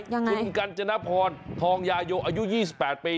ชุมกัญจนพรทองยายโยอายุ๒๘ปี